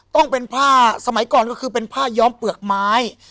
ต้องเป็นผ้าสมัยก่อนก็คือเป็นผ้าย้อมเปลือกไม้